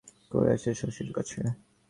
সেদিন নুতন একটা আব্দার আরম্ভ করিয়াছে শশীর কাছে।